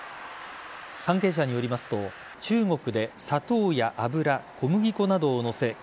関係者によりますと中国で、砂糖や油小麦粉などを載せ